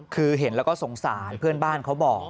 คือเห็นแล้วก็สงสารเพื่อนบ้านเขาบอก